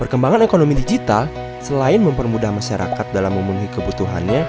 perkembangan ekonomi digital selain mempermudah masyarakat dalam memenuhi kebutuhannya